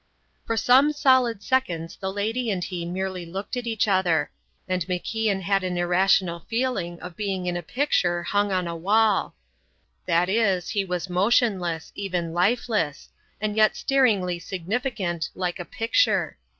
For some solid seconds the lady and he merely looked at each other, and MacIan had an irrational feeling of being in a picture hung on a wall. That is, he was motionless, even lifeless, and yet staringly significant, like a picture.